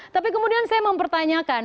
tapi kemudian saya mempertanyakan